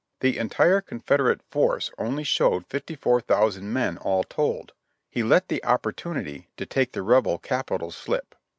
The entire Confederate force only showed 54,000 men all told. He let the opportunity to take the rebel Capital slip.